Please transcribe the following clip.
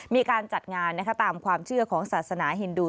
มีการจัดงานตามความเชื่อของศาสนาฮินดู